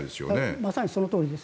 まさにそのとおりです。